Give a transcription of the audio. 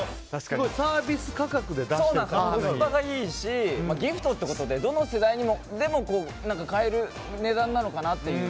コスパがいいしギフトってことでどの世代でも買える値段なのかなっていう。